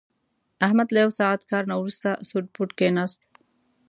احمد له یو ساعت کار نه ورسته سوټ بوټ کېناست.